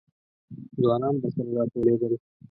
ځوانان به سره راټولېدل.